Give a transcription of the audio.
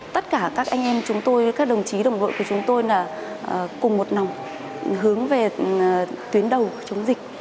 tất cả các anh em chúng tôi các đồng chí đồng đội của chúng tôi là cùng một n hướng về tuyến đầu chống dịch